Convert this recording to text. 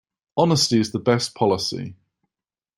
Honesty is the best policy.